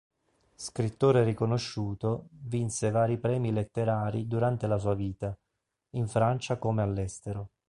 Scrittore riconosciuto, vinse vari premi letterari durante la sua vita, in Francia come all'estero.